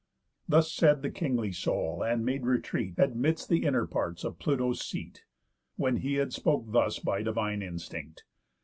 Thus said the kingly soul, and made retreat Amidst the inner parts of Pluto's seat, When he had spoke thus by divine instinct.